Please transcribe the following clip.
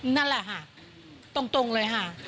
นั่นแหละค่ะตรงเลยค่ะ